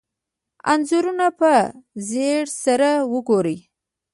انځورونه په ځیر سره وګورئ.